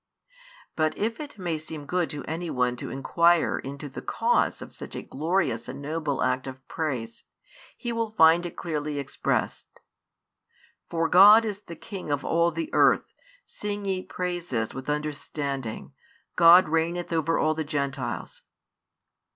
But if it may seem good to any one to inquire into the cause of such a glorious and noble act of praise, he will find it clearly expressed: For God is the king of all the earth: sing ye praises with understanding: God reigneth over all the Gentiles.